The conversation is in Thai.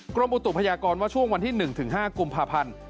กรมอุตุพยากรว่าช่วงวันที่๑๕กุมภาพันธ์